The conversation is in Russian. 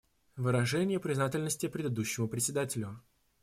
Выражение признательности предыдущему Председателю.